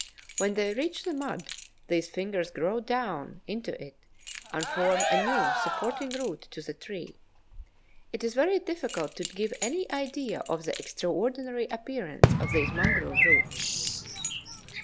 When they reach the mud, these fingers grow down into it and form a new supporting root to the tree. It is very difficult to give any idea of the extraordinary appearance of these mangrove roots.